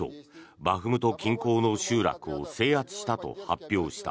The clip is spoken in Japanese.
バフムト近郊の集落を制圧したと発表した。